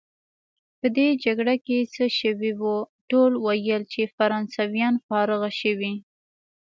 په دې جګړه کې څه شوي وو؟ ټولو ویل چې فرانسویان فارغه شوي.